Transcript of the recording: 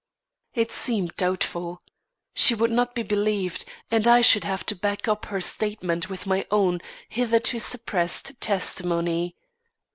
It seemed doubtful. She would not be believed, and I should have to back up her statement with my own hitherto suppressed testimony.